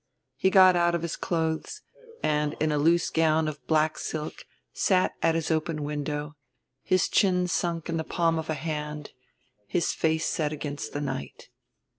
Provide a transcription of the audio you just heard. He got out of his clothes, and, in a loose gown of black silk, sat at his open window, his chin sunk in the palm of a hand, his face set against the night.